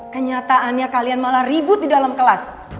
kenyataannya kalian malah ribut di dalam kelas